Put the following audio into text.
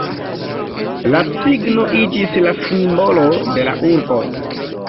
La cigno iĝis la simbolo de la urbo.